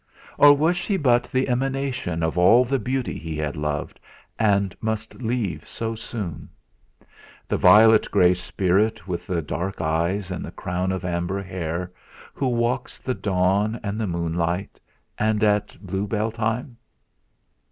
Or was she but the emanation of all the beauty he had loved and must leave so soon? The violet grey spirit with the dark eyes and the crown of amber hair, who walks the dawn and the moonlight, and at blue bell time?